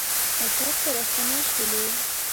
اطاق ته راستانه شولو.